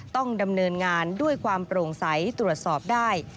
ต้องดำเนินงานด้วยความโปร่งใสตรวจสอบได้